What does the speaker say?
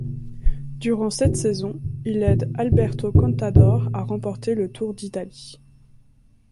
Durant cette saison, il aide Alberto Contador à remporter le Tour d'Italie.